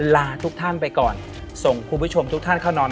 ลาทุกท่านไปก่อนส่งคุณผู้ชมทุกท่านเข้านอน